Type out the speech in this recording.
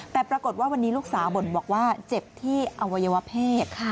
แต่ปรากฏว่าวันนี้ลูกสาวบ่นบอกว่าเจ็บที่อวัยวะเพศ